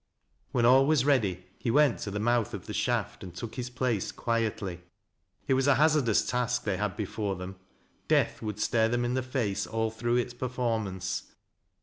When all was ready, he went to the mouth of the shaft and took his place quietly. It was a hazardous task they had before them. Death would stare them in the face all through its performance.